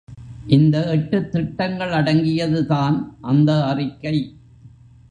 இந்த எட்டுத் திட்டங்களடங்கியது தான் அந்த அறிக்கை.